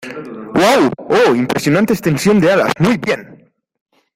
¡ Uau! Oh, impresionante extensión de alas. ¡ muy bien !